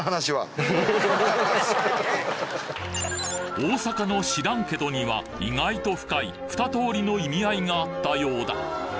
大阪の「知らんけど」には意外と深い２通りの意味合いがあったようだ